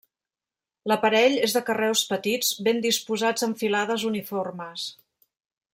L'aparell és de carreus petits ben disposats en filades uniformes.